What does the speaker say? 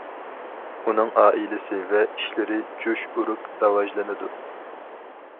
ئۇنىڭ ئائىلىسى ۋە ئىشلىرى جۇش ئۇرۇپ راۋاجلىنىدۇ.